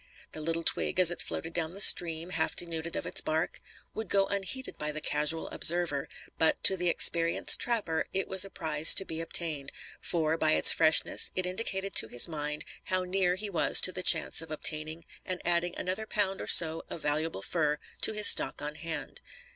The little twig, as it floated down the stream, half denuded of its bark, would go unheeded by the casual observer, but, to the experienced trapper, it was a prize to be obtained; for, by its freshness, it indicated to his mind how near he was to the chance of obtaining and adding another pound or so of valuable fur to his stock on hand.